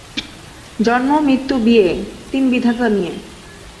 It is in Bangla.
জন্ম, মৃত্যু, বিয়ে— তিন বিধাতা নিয়ে।